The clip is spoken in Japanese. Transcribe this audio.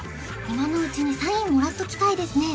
今のうちにサインもらっときたいですね